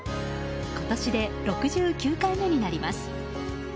今年で６９回目になります。